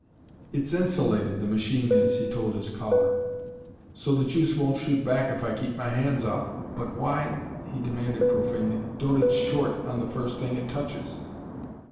"It's insulated, the machine is," he told his caller, "so the juice won't shoot back if I keep my hands off; but why," he demanded profanely, "don't it short on the first thing it touches?"